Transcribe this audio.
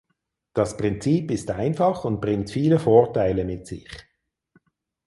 Das Prinzip ist einfach und bringt viele Vorteile mit sich.